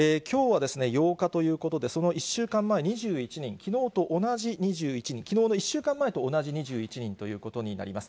きょうは８日ということで、その１週間前、２１人、きのうと同じ２１人、きのうの１週間前と同じ２１人ということになります。